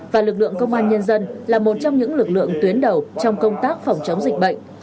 và lực lượng công an nhân dân là một trong những lực lượng tuyến đầu trong công tác phòng chống dịch bệnh